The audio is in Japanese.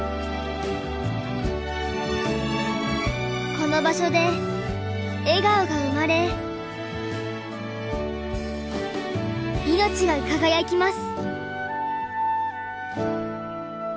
この場所で笑顔が生まれいのちが輝きます。